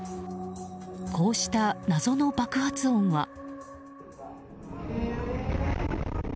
こうした謎の爆発音は。